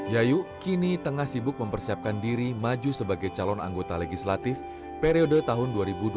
yayu kini tengah sibuk mempersiapkan diri maju sebagai calon anggota legislatif periode tahun dua ribu dua puluh empat dua ribu dua puluh sembilan